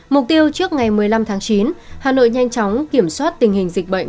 mục tiêu trước ngày một mươi năm tháng chín hà nội nhanh chóng kiểm soát tình hình dịch bệnh